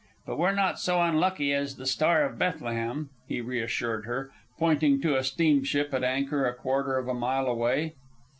But we're not so unlucky as the Star of Bethlehem," he reassured her, pointing to a steamship at anchor a quarter of a mile away.